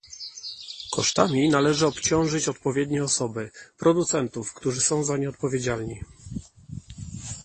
Kosztami należy obciążyć odpowiednie osoby - producentów, którzy są za nie odpowiedzialni